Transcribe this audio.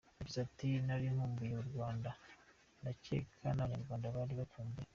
Yagize ati “Nari nkumbuye u Rwanda, ndakeka n’Abanyarwanda bari bankumbuye.